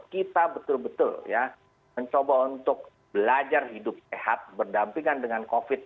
kita betul betul ya mencoba untuk belajar hidup sehat berdampingan dengan covid